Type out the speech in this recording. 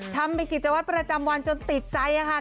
ทำเป็นกิจวัตรประจำวันจนติดใจค่ะ